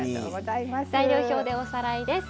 材料表でおさらいです。